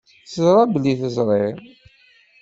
Teẓra belli teẓriḍ.